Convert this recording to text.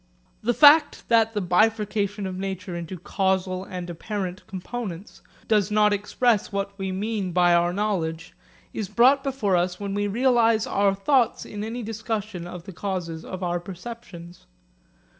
The fact that the bifurcation of nature into causal and apparent components does not express what we mean by our knowledge is brought before us when we realise our thoughts in any discussion of the causes of our perceptions.